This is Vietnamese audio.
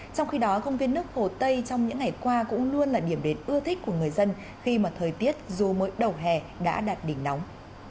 trong khi đó công viên nước hồ tây trong những ngày qua cũng luôn là điểm đến ưa thích của người dân khi mà thời tiết dù mới đầu hè đã đạt đỉnh nóng